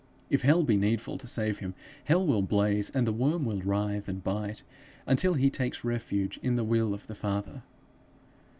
If hell be needful to save him, hell will blaze, and the worm will writhe and bite, until he takes refuge in the will of the Father.